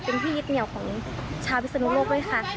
เป็นที่ยึดเหนียวของชาวพิศนุโลกด้วยค่ะ